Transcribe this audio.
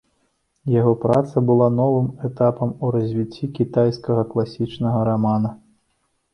Яго праца была новым этапам у развіцці кітайскага класічнага рамана.